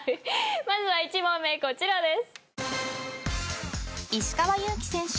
まずは１問目こちらです。